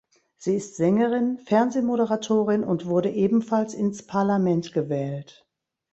Sie ist Sängerin, Fernsehmoderatorin und wurde ebenfalls ins Parlament gewählt.